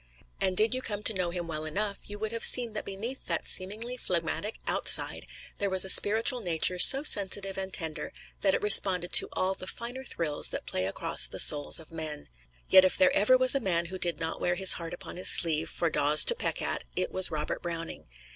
And did you come to know him well enough you would have seen that beneath that seemingly phlegmatic outside there was a spiritual nature so sensitive and tender that it responded to all the finer thrills that play across the souls of men. Yet if there ever was a man who did not wear his heart upon his sleeve for daws to peck at, it was Robert Browning.